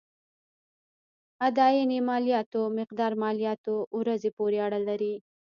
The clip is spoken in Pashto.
اداينې مالياتو مقدار مالياتو ورځې پورې اړه لري.